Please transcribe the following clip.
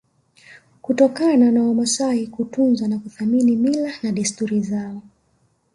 kutokana na Wamasai kutunza na kuthamini mila na desturi zao